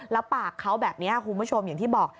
แล้วปากเขาแบบนี้คุณผู้ชมอย่างที่บอก